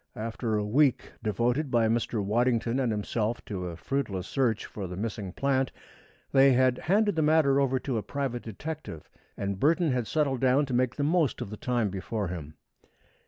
After a week devoted by Mr. Waddington and himself to a fruitless search for the missing plant, they had handed the matter over to a private detective and Burton had settled down to make the most of the time before him.